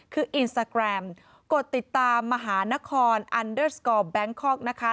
คืออินสตาแกรมกดติดตามมหานครแบงค์คอล์กนะคะ